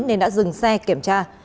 nên đã dừng xe kiểm tra